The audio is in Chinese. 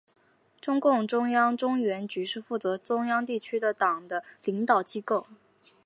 中共中央中原局是负责中央地区的党的领导机构。